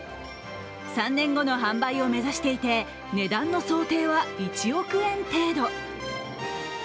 ３年後の販売を目指していて値段の想定は１億円程度。